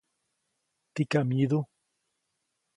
¿tikam myidu?